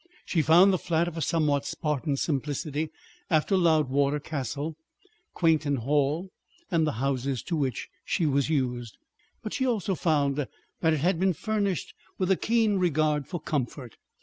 She found the flat of a somewhat spartan simplicity after Loudwater Castle, Quainton Hall, and the houses to which she was used. But she also found that it had been furnished with a keen regard for comfort.